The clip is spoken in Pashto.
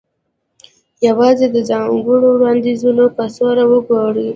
یوازې د ځانګړو وړاندیزونو کڅوړې وګوره